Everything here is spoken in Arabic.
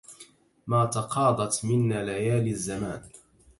ما تقاضت منا ليالي الزمان